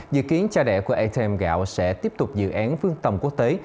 dự kiến cha đẻ của atem gạo sẽ tiếp tục dự án phương tầm quốc tế